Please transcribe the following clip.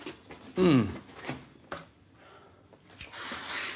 うん。